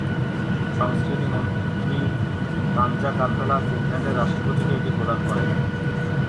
সংস্কৃতি মন্ত্রী তানজা কারপেলা ফিনল্যান্ডের রাষ্ট্রপতিকে এটি প্রদান করেন।